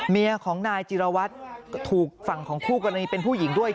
เมียของนายจิรวัตรถูกฝั่งของคู่กรณีเป็นผู้หญิงด้วย